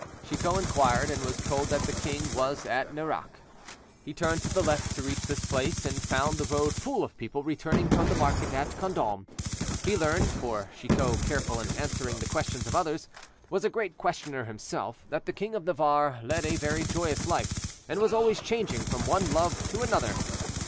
Chicot inquired, and was told that the king was at Nerac. He turned to the left to reach this place, and found the road full of people returning from the market at Condom. He learned, for Chicot, careful in answering the questions of others, was a great questioner himself, that the king of Navarre led a very joyous life, and was always changing from one love to another.